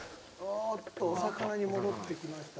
おっとお魚に戻ってきました。